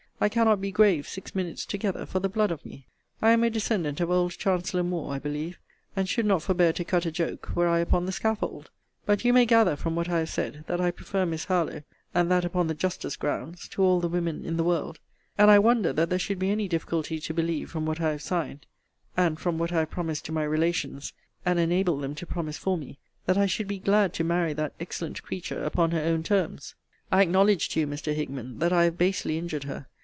I cannot be grave six minutes together, for the blood of me. I am a descendant of old Chancellor Moore, I believe; and should not forbear to cut a joke, were I upon the scaffold. But you may gather, from what I have said, that I prefer Miss Harlowe, and that upon the justest grounds, to all the women in the world: and I wonder that there should be any difficulty to believe, from what I have signed, and from what I have promised to my relations, and enabled them to promise for me, that I should be glad to marry that excellent creature upon her own terms. I acknowledge to you, Mr. Hickman, that I have basely injured her.